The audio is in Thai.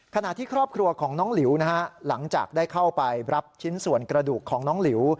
ขณะที่ครอบครัวของน้องหลิวนะฮะหลังจากได้เข้าไปรับชิ้นส่วนกระดูกของน้องหลิว